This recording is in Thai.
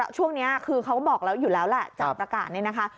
ช่วงนี้คือเขาบอกแล้วอยู่แล้วแหละจากประกาศนี้นะคะ